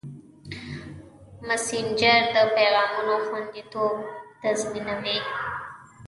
مسېنجر د پیغامونو خوندیتوب تضمینوي.